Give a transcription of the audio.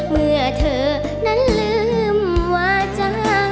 เมื่อเธอนั้นลืมวาจา